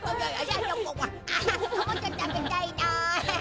もっと食べたいな。